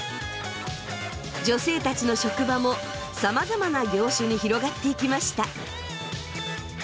女性たちの職場もさまざまな業種に広がっていきました。